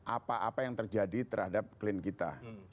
apa apa yang terjadi terhadap klien kita